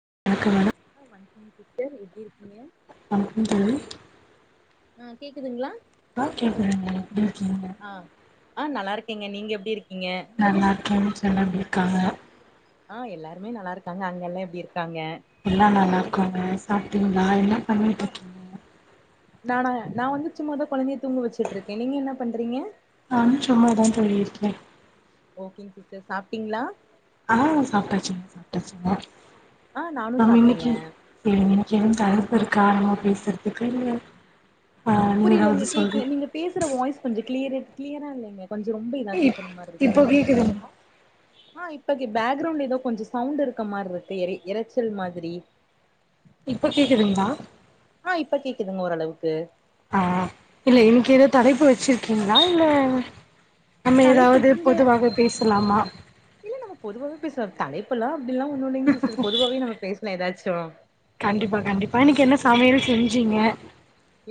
[inaudible] சேரி ஆமா தோழி ஆஹ் கேக்குதுங்களா ஆஹ் கேக்குறேங்க எப்டிருக்கீங்க ஆஹ் நல்லாருக்கேங்க நீங்க எப்படி இரு நல்லாருக்கே செல்லமே க்காங்க ஆஹ் எல்லாருமே நல்லா இருக்காங்க அங்கல்லா எப்டிருக்காங்க எல்லா நல்லாருக்கங்க சாப்பிட்டீங்களங்களா என்ல்ல ஆ பண்ணிட்ருக்கீங்க நானா நா வந்து சும்மா தா கொழந்தைய தூங்க வச்சுட்டுருக்கே நீங்க என்னா பண்றீங்க ஆம் சும்மாதா தோழி இருக்கே ஓகேங் சிஸ்டர் சாப்ட்டீங்களா ஆ சாப்பிட்டாச்சுங்க சாப்பிட்டாச்சுங்க ஆ நானு ஆஹ் சாப்ட்டேங்க இன்னைக்கு எ இன்னைக்கு என் த ஒரு காரணமா பேசுறதுக்கு இல்ல ஆ நீங்க புரியலங்க ஏதாவது சொல்றீ கேக்கல நீங்க பேசுற வாய்ஸ் கொஞ்சோ கிளியரே கிளியரா இல்லைங்க கொஞ்ச ரொம்ப இதா இப் கேக்கரா மாரி இருக்கு இப்போ கேக்குதுங்களா ஆ இப்ப கேக் பேக்ரவுண்ட்ல ஏதோ கொஞ்ச சவுண்ட் இருக்க மாரிருக்கு எ எறச்சல் மாதிரி இப்ப கேக்குதுங்களா ஆ இப்ப கேக்குதுங்க ஓரளவுக்கு ஆ இல்ல இனைக்கு ஏதோ தலைப்பு வச்சிருக்கீங்களா இல்ல நம்ம தலைப்பு ஏதாவது நீங்க பொதுவாக பேசலாமா இல்ல நம்ம பொதுவாவே பேசலா தலைப் ல் அப்படிலா ஒன்னு இல்லைங் சிஸ்டர் பொதுவாவே நம்ம பேசலா ஏதாச்சு கண்டிப்பா கண்டிப்பா இன்னைக்கு என்ன சமையல் செஞ்சிங்க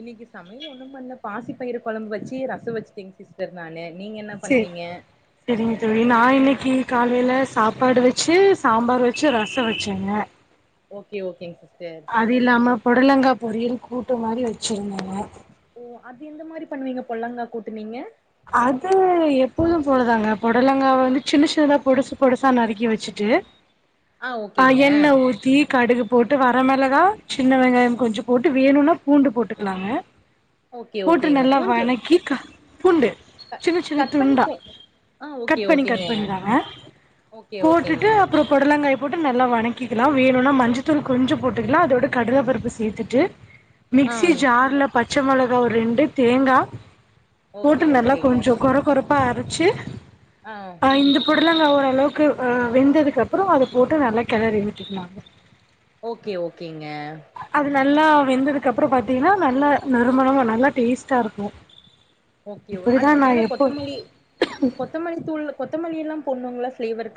இன்னைக்கு சமையல் ஒண்ணு பண்ணல பாசி பயிரு கொழம்பு வச்சு ரச வச்சுட்டேங்க சிஸ்டர் நானு நீங்க என்ன சரி பண்ணுனீங்க சேரிங்க தோழி நா இன்னைக்கு காலையில சாப்பாடு வச்சு சாம்பார் வச்சு ரசம் வச்சேங்க ஓகே ஓகேங்க சிஸ்டர் அது இல்லாம புடலங்கா பொரியல் கூட்டு மாரி வச்சிருந்தேங் ஓ அந் அது எந்த மாரி பண்ணுவீங்க பொள்ளங்கா கூட்டுனீங்க அது எப்போதும் போடுதாங்க பொடலங்காவ வந்து சின்ன சின்னதா பொடுசு பொடுசா நறுக்கி வச்சுட்டு ஆ அ ஓகேங்க என்ன ஊத்தி கடுகு போட்டு வர மிளகா சின்ன வெங்காய கொஞ்ச போட்டு வேணும்னா பூண்டு போட்டுக்கலாங்க ஓகே போட்டு ஓகேங்க நல்லா பூண்டு வணக்கி க பூண்டு க சின்ன சின்ன கட் பண்ணி துண்டா போ ஆ கட் ஓகே பண்ணி ஓகேங்க கட் பண்ணிதாங்க ஓகே ஓகேங்க போட்டுட்டு அப்பற பொடலங்காய போட்டு நல்லா வணங்கிக்கலா வேணும்னா மஞ்சத்தூள் கொஞ்சு போட்டுக்கலா அதோட கடலைப்பருப்பு சேர்த்துட்டு ஆ மிக்ஸி ஜார்ல பச் பச்ச மொளகா ஒரு ரெண்டு தேங்கா போட்டு ஓகே நல்லா ஓகேங்க கொஞ்சோ கொர கொர ப்பா அரைச்சு ஆ இந்த புடலங்கா அளவுக்கு வ வெந்ததுக்கு அப்றோ அத போட்டு நல்லா கெளறி விட்டுகனு அத ஓகே ஓகேங்க நல்லா வெந்ததுக்கு அப்றோ பாத்தீங்கன்னா நல்லா நறுமணமா நல்லா டேஸ்ட்டா இருக்கு ஓகே ஓ இப்படிதா அதுக்கு நா மேல எப்போ கொத்தமல்லி கொத்தமல்லி தூள் கொத்தமல்லியெல்லா போட்னுங்ளா ஃபிளேவர்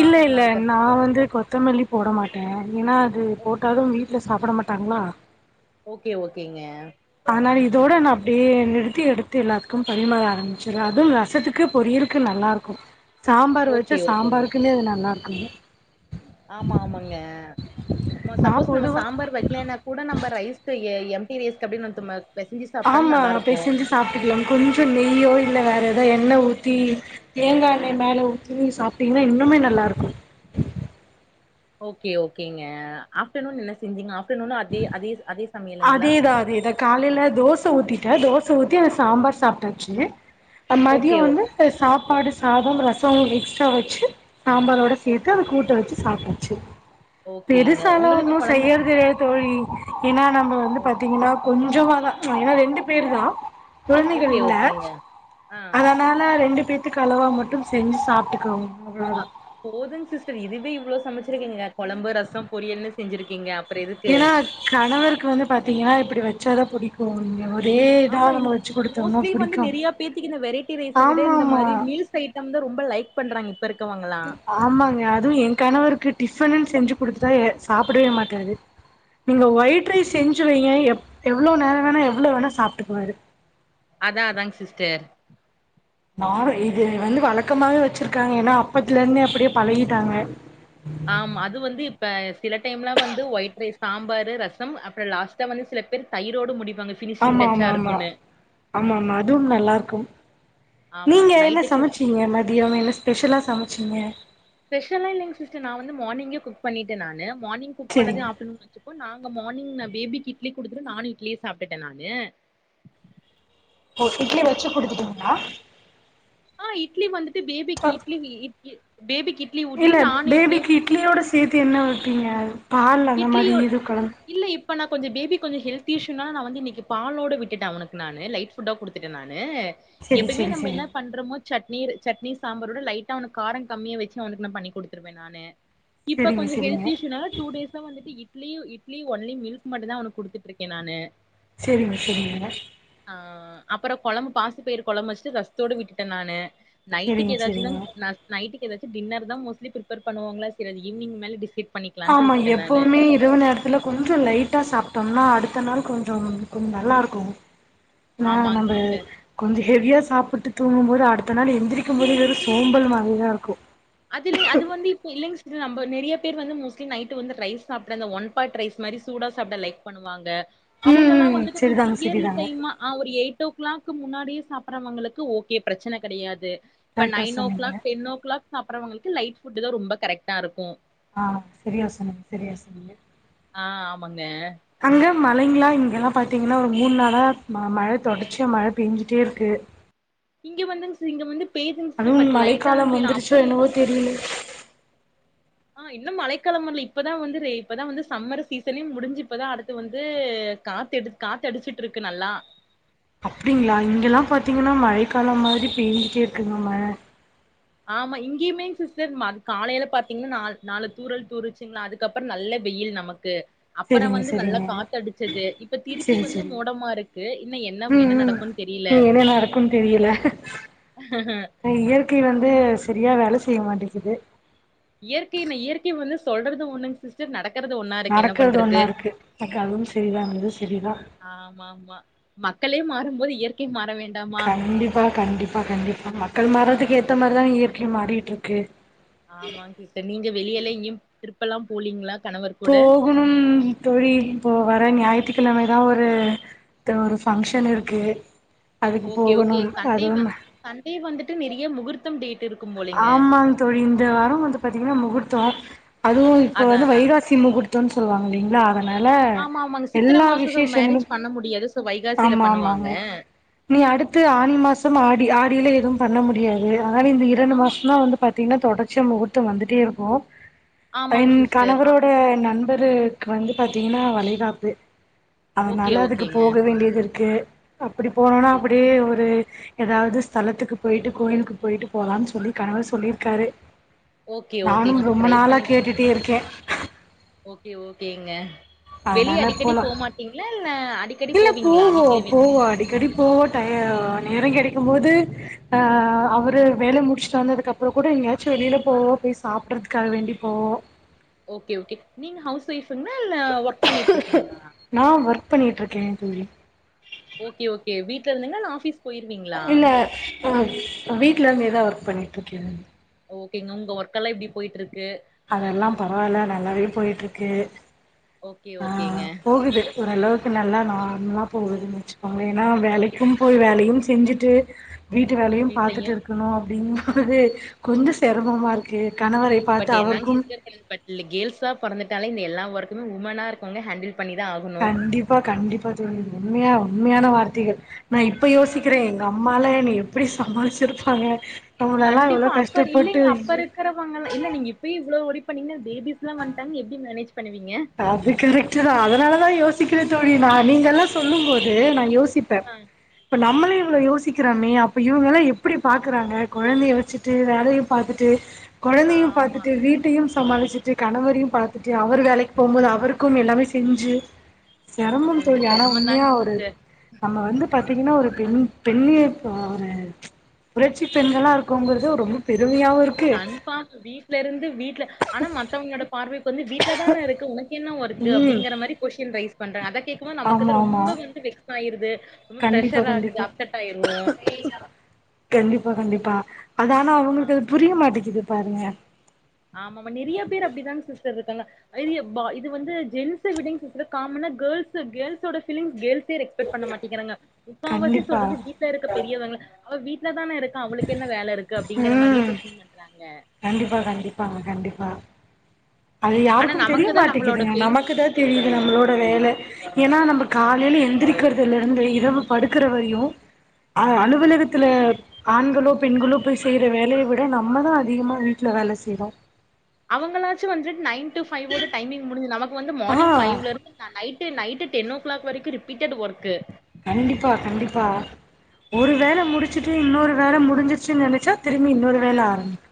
இல்ல இல்ல நா வந்து கொத்தமல்லி போட மாட்டே ஏன்னா அது ஓ போட்டாலு வீட்ல சாப்பட மாட்டாங்களா ஓகே ஓகேங்க ஆனா இதோட நா அப்டியே நிறுத்தி எடுத்து எல்லாத்துக்கு பரிமாற ஆரம்பிச்சிருவே அது ரசத்துக்கு பொரியலுக்கு நல்லா இருக்கு சாம்பார் வெச்சா ஓகே ஓகேங்க சாம்பாருக்குமே அது நல்லா அண்ணே ஆமா ஆமாங்க ஆமா நா சப்போஸ் நம்ப பொதுவா சாம்பார் வைக்கலனா கூட நம்ப ரைஸ் தை ஏ எம் டி ரைஸ் [unintelligible] ஆமா அப்டி செஞ்சி சாப்ட்டுகுவே கொஞ்ஜோ நெய்யோ இல்ல வேற எ அத எண்ணெ ஊத்தி தேங்கெண்ணெய மேல ஊத்தி சாப்ட்டீங்கன்னா இன்னமே நல்லாருக்கு ஓகே ஓகேங்க ஆஃப்டர்ன் நோன் என்ன செஞ்சீங்க ஆஃப் அதேதா அதேதா காலைல தோச ஊத்தி க தோச ஊத்தி அந்த சாம்பார் சாப்ட்டாச்சி அ மதியோ ஓகே வந்து ஓகேங்க சாப்பாடு சாத ரசோ எக்ஸ்ட்ரா வெச்சி சாம்பாரோட சேத்து ஓகே அத கூட்ட வெச்சி சாப்ட ட்சி ஓகேங்க பெருசாலா உங்களுக்கு ஒன்னு கொழந்த செய்யற்த [unintelligible] [unintelligible] ஏன்னா நம்ப வந்து ஓ பாத்தீங்கன்னா கொஞ்ஜமாதா ஏன்னா ரெண்டு பேரு தா கொழந்தைகள் ஓகே இல்ல ஓகேங்க ஆ அதனால ரெண்டு பேத்துக்கு அளவா மட்டு செஞ்சி சாப்ட்டுகளா அவ்ளோதா போதுங் சிஸ்டர் இதுவே இவ்ளோ சமச்சிருக்கீங்க கொழம்பு ரசம் பொரியல்னு செஞ்ச்சிருக்கீங்க அப் ஏனா கணவருக்கு வந்து பாத் பாத்தீங்கனா இப்டி வெச்சாத புடிக்கு இங்க ஒ ஆமா இல்ல மோஸ்ட்லி வந்து நெறைய பேத்துக்கு இந்த வெரைட்டி ரைஸ விட ஆமா இந்த ஆமா மாரி மீல்ஸ் ஐட்டந்தா ரொம் இப்ப லைக் பண்றாங்க இப்ப இருக்கவங்களா ஆமாங்க அதுவு ஏ கணவருக்கு டிஃபன்னுன்னு செஞ்சி குடுத்துட்டா ஏ சாப்டவே மாட்டாரு நீங்க ஒயிட் ரைஸ் செஞ்சி வைங்க ஏப் எவ்ளோ நேரோ வேணா எவ்ளோ வேணா சாப்ட்டுக்குவாரு அதா அதாங் சிஸ்டர் நானு இது வந்து வழக்கமாவே வச்சிருக்காங்க ஏன்னா அப்பத்துலந்தே அப்படியே பழகிட்டாங்க ஆமா அது வந்து இப்ப சில டைம்லா வந்து ஒயிட் ரைஸ் சாம்பாரு ரசம் அப்பற லாஸ்டா வந்து சில பேர் தயிரோடு முடிப் ஆமா ஆமா ஆமா ஆமா ஆமா அதுவும் நல்லா இருக்கும் ஆமா நீங்க என்ன நைட்டுக்கு சமைச்சிங்க மதிய என்ன ஸ்பெஷலா சமைச் சின்ன ஸ்பெஷல்லா இல்லைங்க சிஸ்டர் நா வந்து மார்னிங்கே குக் பண்ணிட்ட நானு மார்னிங் குக் பண்ணது சரிங்க ஆப்டர்நூன் [unintelligible] துக்கு நான் மார்னிங் நா பேபிக்கு இட்லி குடுத்துடு நானு இட்லியே சாப்பிட்டுட்டே நானு ஓ இட்லி வச்சு குடுத்துட்டீங்களா ஆஹ் இட்லி வந்துட்டு பேபிக்கு அ இட்லி இட் பேபிக் இல்ல பேபிக்கு இட்லியோட சேத்து என்ன ஊ ட்றிங்க இட்லியோ இல்ல இப்ப நா கொஞ்ச பேபி கொஞ்ச ஹெல்த் டியூஷன் நான் வந்து இன்னைக்கு பாலோட விட்டுட்டேன் நானு அவனுக்கு நான் லைட்ஃபுட்டா கொடுத்துட்டேன் நான் சரி எப்பயுமே சரி நம்ம சரி என்ன பண்றோமோ சட்னி சட்னி சாம்பாரோட லைட்டா அவனுக்கு காரம் கம்மியா யா வச்சு அவனுக்கு நான் பண்ணிகொடுத்துருவேன் நானு இப்ப சரிங்க கொஞ்சம் ஹெல்த் சரிங்க இஸ்யூனாலே two days idli idli only milk மட்டும் தான் அவனுக்கு குடுத்துட்டு இருக்கேன் நானு சரிங்க சரிங்க ஆஹ் அப்புறம் குழம்பு பாசி பயர் குழம்பு வச்சுட்டு ரசத்தோடு விட்டுட்டேன் நானு நைட்டுக்கு சரிங்க ஏதாச்சும் தா சரிங்க நா நைட்டுக்கு ஏதாச்சும் டின்னர் தான் மோஸ்ட்லி பிரிப்பேர் பண்ணுவாங்களா நெனைக்கிறேன் அது ஈவனிங் மேல டிசை பண்ணிக்கலாம்ன்ட்டு பவுமே இரவு நேரத்துல கொஞ்சம் லைட்டா சாப்பிட்டோம்னா ஆ அடுத்த நாள் கொஞ்சம் கொஞ்சம் நல்லா இருக்கும் ந ஆமாங் நம்ப சிஸ்டர் கொஞ்சம் ஹெவியா சாப்ட்டு தூங்கும் போது அடுத்த நாள் எந்திரிக்கும் போது இது ஒரு சோம்பல் மாரிதான் இருக்கும் அது இல்லங்க அது வந்து இப்ப இல்லைங்க இல்ல நம்ப நிறைய பேர் வந்து மோஸ்ட்லி நைட்டு வந்து ரைஸ் சாப்பிட அந்த ஒன் பாட் ரைஸ் சூடாக சாப்பிட லைக் பண்ணுவாங்க ம் அவங்கெல்லாம் ம் வந்துட்டு கொஞ்சம் சரிதாங்க இயர்லி சரிதாங்க டைம்மா ஒரு எயிட் ஓ கிளாக் க்கு முன்னாடியே சாப்புட்றவங்களுக்கு ஓகே பிரச்சன கடையாது இப்ப கரெக்டா நைன் ஓ சொன்னீங்க க்ளாக் டென் ஓ க்ளாக் தவங்கள்க்கு லைட் ஃபுட்டு தா ரொம்ப கரெக்டா இருக்கூ ஆ செரியா சொன்னிங்க செரியா சொன்னிங்க ஆ ஆமாங்க அங்க மழைங்லா இங்கல்லா பாத்தீங்கன்னா ஒரு மூண் நாளா ம மழை தொடர்ச்சியா மழை பெஞ்சுட்டே இருக்கு இங்க வந்துங் ஸ் இங்க வந்து பெய்துங் சிஸ்டர் அதுவும் பட் லைட்டாதா மழைக்காலம் பெய்து வந்துருச்சோ அப்படி இல்ல என்னவோ தெரியில ஆ இன்னும் மழைக்காலம் வர்ல இப்பதா வந்து ரெ இப்பதா வந்து சம்மர் சீசனே முடிஞ்சு இப்பதா அடுத்து வந்து காத்தெடு காத்து அடிச்சுட்ருக்கு நல்லா அப்டிங்களா இங்கேல்லா பாத்தீங்கன்னா மழைக்காலம் மாதிரி பெஞ்சுட்டே இருக்குங்க மழை ஆமா இங்கேயுமே சிஸ்டர் மர் காலையில பாத்தீங்கன்னா நால் நாலு தூறல் தூருச்சுங்களா அதுக்கப்புறோ நல்ல வெயில் நமக்கு அப்பறோ சரிங்க வந்து நல்லா சரிங்க காத்து அடிச்சுது இப்ப திருப்பி சரி வந்து சரி மூடமா இருக்கு இன்ன என்ன ம் என்ன ம் நடக்குன் தெரியில இனி என்ன நடக்குன்னு தெரியல ந்து செரியா வேல செய்ய மாட்டேக்குது இயற்கை ந இயற்கை வந்து சொல்றது ஒண்ணுங் சிஸ்டர் நடக் நடக்கறது ஒன்னா இருக்கு எனக்கு அதுவும் செரிதான் இதுவும் செரிதான் ஆமா ஆமா மக்களே மாறும்போது இயற்கை மாற வேண் கண்டிப்பா கண்டிப்பா கண்டிப்பா மக்கள் ஆ மாறதுக்கு ஏத்த மாரிதான் வீட்ல மாறிட்டு இருக்கு ஆமாங்க சிஸ்டர் நீங்க வெளியல ங்யு ட்ரிப்பெல்லாம் போலீங்களா கணவர் கூட போகணும் தோழி ப்போ வர ஞாய ஞாயிற்று கிழமைதான் ஒரு ஒரு ஃபங்க்ஷன் இருக்கு அதுக்கு ஓகே ஓகே போகணும் சண்டே வ அதுவும் சண்டே வந்துட்டு செரி முகூர்த்தம் டேட் இருக்கும் போலீங்க ஆமா தோழி இந்த வாரம் வந்து பாத்தீங்கன்னா முகூர்த் தா அதுவும் இப்ப அதா வந்து அதா வைகாசி முகூர் சொல்லு வாங்க இல்லைங்களா அத அதனால ஆமா ஆமாங்க சித்திர எல்லா மாசம் மேரேஜ் விசேஷங்களும் பண்ண முடியாது சோ வைகாசியில ஆமா பண்ணுவாங்க ஆமாங்க நீங்க அடுத்து ஆனி மாசம் ஆடி ஆடி இல்ல எதுவும் பண்ண முடியாது அதனால் இந்த ரெண்டு ஆமா மாசம் தான் வந்து பாத் த்தீங்னா தொடர்ச்சியா முகுர்த்தம் வந்துட்டே இருக்கும். ஆமாங்க [unintelligible] சிஸ்டர் ஆ கணவரோட நண். இவருக் கு வந்து பாத்தீங்கன்னா வளைகாப்பு. ஓகே அதனால அதுக்கு ஓகேங்க போக வேண்டியதிருக். கு. அப்டி போனோனா சரி அப்டியே ஒரு. எதாவது ஸ்தலத்துக்கு போய்ட்டு கோயிலுக்கு போய்ட்டு. போலானு சொல்லி கணவர் சொல்லிருக்காரு. ஓகே நானும் ஓகேங்க அப்ப ரொம்ப ட்ரை நாளா பண்ணி கேட்டுடே இருக்கேன். கேங்க. வெளிய அதனால அடிக்கடி போலாம் போமாட்டிங்ள இல்ல அடிக்கடி இல்ல போவீங்ளா வீக்லி வீக்லி. டயம் நேரம் கெடைக்கும் போது அஹ் அவரு வேல முடிச்ட்டு வந்ததுக்கப்றம் கூட எங்கயாச்சும் வெளியில போவோம் போய் சாப்டறதுக்காக வேண்டி போவோம். ஓக்கே ஓக்கே நீங்க ஹவுஸ் வைஃப். புங்லா இல்ல ஒர்க் பண்ணிட்ருக்கீங்ளா. ப்பண்ணிட்ருக்கே தோழி. ஓக்கே ஓக்கே வீட்டுல இருந்துங்லா இல்ல ஆபீஸ். போயிருவிங்ளா. ஆங் வீட்ல இருந்தேதான் ஒர்க் பண்ணிட்ருக்கேன். ஓக்கேங்க உங்க ஒர்க்கல்லா எப்டி போயிட்ருக்கு அதெல்லா பரவால்ல நல்லாவே போயிட்ருக்கு ஓக்கே ஓக்கேங்க ஒரளவுக்கு நல்லா நார்மலா போகுதுன் வெச்சி அங்கைனா வேலைக்கும் போய் வேலை. யும் செஞ்சிட்டு. வீட்டு வேலையும் வீட்லயு பாத்திட்டு இருக்கணும் அப்டின். ஹுஹுஹே கொஞ்சம் செரமமாருக்கு கணவரைப் பார்க பட் என்னாங் சிஸ்டர் பண்றது பட் இல்ல கேள்ஸா பொறந்துட். டாலே இந்த எல்லா வொர்க்குமே உமனா இருப்பாங்க ஹேண்டில். பண்ணிதா ஆகணு கண்டிபா கண்டிபா தோழி உண்மையா ஆ உண்மையான வார்தைகள் நா இப்ப ஆ. யோசிக்கிறேன் எங்கம். மால என்ன எப்டி சமாளிச்சிருப்பாங்க. நம்மளெல்லா எவ்ளோ கண்டிப்பா அப்பர் கஷ்டப்பட்டு இல்லிங்க அப்ப ஐயோ இருக்கிறவங்கெல்லா இல்ல நீங்க இப்பயே இவ்ளோ வொரி. பண்ணிங்ணா பேபிஸ்லாம் வந்துட்டாங்கனா எப்டி மேனேஜ். பண்ணுவீங்க அது கரெக்டு தான் அதனால தான் யோசி. சிக்ரே தோழி நான் நீங்கெல்லாம் சொல்லும் போது நா யோசி. திப்ப ஆ இப்ப நம்மளே இவ்வளவு யோசிக்க இருக்கறமே அப்ப இவங்க எல்லாம் எப்படி பாக்குறாங்க குழந்தைய வச்சுட்டு வேலையும் பார்த்துட்டு ஆ, குழந்தையும் ஆமா பார்த்திட்டு வீட்டையும் சமாளிச்சுட்டு கணவரையும் பார்த்துட்டு அவர் வேலை போகும்போது அவருக்கும் எல்லாமே செஞ்சு செரமம் கொஞ்சோ தோழியா ஆனா உண்மையா செரமந்தாங்க ஒரு சிஸ்டர் நம்ம வந்து பாத்தீங்கன்னா ஒரு பெண் பெண்மை பாரே புரட்சி பெண்களா இருக்கும்போது ரொம்ப பெ கண்ஃபாம் வீட்ல இருந்து வீட்ல ஆனா மத்தவங்களோட பார்வ வந்து வீட்ல தான இருக்கு உனக்கு என்ன னு ஒருக்கு ம். அப்படிங்கிற மாரி கொஸ்டின் ரைஸ் பண்றாங்க கேக்குமோ ஆமா, நமக்குதா ஆமா. ரொம்ப வந்து வெக்ஸ் ஆயிரு இது கண்டிப்பா கண்டிப்பா கண்டிப்பா கண்டிப்பா அது ஆனா அவங்களுக்கு அது புரிய மாட்டேக்குது பாருங்க ஆமாமா நிறைய பேர் அப்படிதாங் சிஸ்டர் இருக்காங்க ஐயய பா இது வந்து ஜென்ஸ் விடங் சிஸ்டர் காமனா கேர்ள்ஸ் கேர்ள்ஸ் ஓட ஃபீலிங் கேர்ள் மே ரெஸ்பெக்ட் பண்ண மாட்டேங்கிறாங்க முக்காவாசி கண்டிப்பா சொல்றது வீட்ல இருக்க பெரியவங்க அவ வீட்டுல தானே இரு க்கா அவளுக்கு என்ன வேல இருக்கு அப்படிங்க மாரிதா ம் கொஸின் பண்றாங்க கண்டிப்பா கண்டிப்பா பாங்க கண்டிப்பா அது ஆனா யாருக்கும் தெரிய நமக்கு தா நம்மளோட மாட்டேக்குதுங்க பெயின் நமக்கு தா தெரியுது ஆமா நம்மளோட வேலை ஏன்னா நம்ம ஆமா காலையில எந்திரிக்க ந்ததுல இருந்து இரவு படுக்கற வரையு அ அலுவலகத்துல ஆண்களோ பெண்களோ போய் செய்யிற வேலைய விட நம்மதா அதிகமா வீட்ல வேல செய்றோ அவங்களாச்சு வந்துட்டு நைன் டு பைவோட டைமிங் முடிஞ்சு நமக் கு வந்து ஆ மார்னிங் ஃபைவ்ல இருந்து நா night to night ten o'clock வரைக்கும் ரிப்பீட்டடு ஒர்க்கு கண்டிப்பா கண்டிப்பா ஒரு வேல அதா முடிச்சுட்டு இன்னொரு வேல முடிஞ்ச ருச்சி நனைச்சா திரும்பி இன்னொரு வேல ஆரம்பிக்கு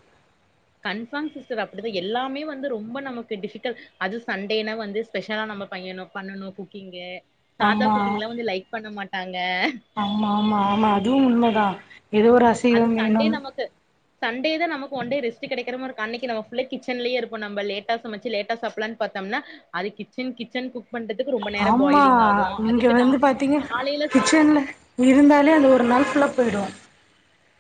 கன்ஃபார்ம் சிஸ்டர் அப்படிதா எல்லாமே வந்து ரொம்ப நமக்கு டிபிகல்ட் அது சண்டேனா வந்து ஸ்பெஷலா நம்ம பையனு பண்ணனு குக்கிங்கு சாதா ஆம்மா குக்கிங்லா வந்து லைக் பண்ண மாட்டாங்க ஆம்மா ஆமா ஆமா அதுவு உண்மதா எதோ ஒரு அது அசைவம் சண்டே வேணும் நமக்கு சண்டே தா நமக்கு ஒன்டே ரெஸ்ட்டு கெடைக்கிற மாறிருக்கு அன்னைக்கு நம்ம ஃபுல்லா கிச்சன்லய இருப்போ நம்ப லேட்டா சமச்சி லேட்டா சாப்புலான்னு பாத்தம்னா அது கிச்சன் கிச்சன் கு ஆமா இங்க நா வந்து பாத்தீங்க காலையில ச கிச்சன்ல இருந்தாலே அது ஒரு நாள் ஃபுல்ல போயிடும்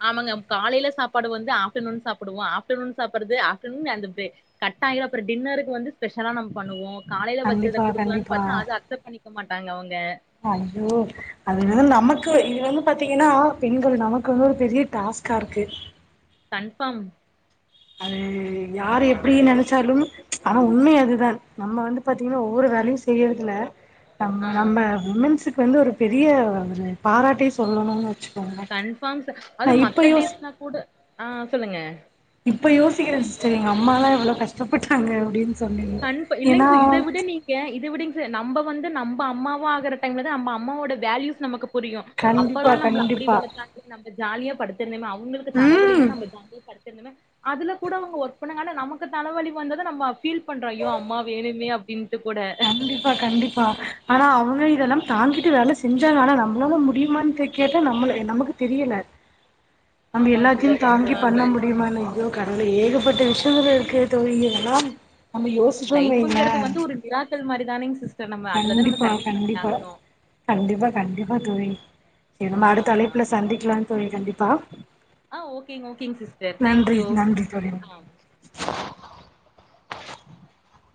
ஆமாங்க காலையில சாப்பாடு வந்து ஆஃப்ட்டர்நூன் சாப்பிடுவோ ஆப்டர்நூன் சாப்படுறது ஆஃப்டர்நூன் அந்த ப கட்டாயுறு அப்புறம் டின்னருக்கு வந்து ஸ்பெஷலா நம்ம பண்ணுவோ காலையில கண்டிப்பா வச்சத குடுக்கலான்னு பார்த்தா அத அக்சப்ட் பண்ணிக்க மாட்டாங்க அவங்க அய்யோ அதுவெறு நமக்கு இது வந்து பாத்தீங்கன்னா பெண்கள் நமக்கு வந்து ஒரு பெரிய டாஸ்கா இருக்கு கன்ஃபார்ம் அது யாரு எப்புடி நெனச்சாலும் ஆனா உண்மை அதுதான் நம்ம வந்து பாத்தீங்கன்னா ஒவ்வொரு வேலையு செய்யறதுல ஆ நம்ம நம்ம உமென்ஸ் வந்து ஒரு பெரிய ஒரு பாராட்டே சொல்லணும்னு வச்சு கன்ஃபார்ம்ஸ் அது மத்த டேஸ்னா கூட ஆஹ் சொல்லுங்க இப்ப யோசிக்கிறே சிஸ்டர் எங்க அம்மலா எவ்ளோ கஷ்டப்பட்டாங்க அப்படின்னு கன்ஃப இல்லங் ச இத விட நீங்க இத விடங் ச நம்ப வந்து நம்ப அம்மாவா ஆகுற டைம்ல தா நம்ப அம்மாவோட வேல்யூஸ் நமக்கு புரியு கண்டிப்பா அப்பெல்லா நம்பல அப்புடி கண்டிப்பா வளத்தாங்க நம்ப ஜாலியா படுத்திருந்தமே அவங்குளுக்கு தலவலினா ம் நம்ம ஜாலியா படுத்திருந்தமே அதுல கூட அவுங்க ஒர்க் பண்ணாங்க ஆனா நமக்கு தலை வலி வந்தது நம்ம ஃபீல் பண்றோ அய்யோ அம்மா வேணுமே அப்டின்ட்டு கூட கண்டிப்பா கண்டிப்பா ஆனா அவுங்க இதல்லா தாங்கிட்டு வேல செஞ்சாங்க ஆனா நம்மளால முடியமான்னு கேட்ட நம்மள நமக்கு தெரியல நம்ம ஆமாங்க எல்லாத்தையு சிஸ்டர் தாங்கி பண்ண கன்ஃபார்மு முடியுமானு ஐயோ கடவுளே ஏகப்பட்ட வி [unintelligible] இருக்கே தோழி [unintelligible] நம்ம யோசிச்சோன் வைங்களே மக்கள் மாரி தானேங்க சிஸ்டர் நம்ம அதுலதானே நம்ம கண்டிப்பா சர்வீஸ் பண்ணி ஆகணும் தொய் கே நம்ம அடுத்த அழைப்புல சந்திக்கலாம் தோழி கண்டிப்பா ஆ ஓகேங்க ஓகேங்க சிஸ்டர் நன்றி தேங்க்யூ நன்றி தோழி ஆ [inaudible]